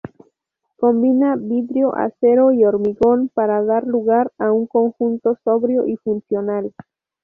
Combina vidrio, acero y hormigón para dar lugar a un conjunto sobrio y funcional.